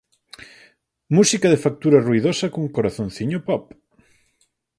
Música de factura ruidosa cun "corazonciño pop".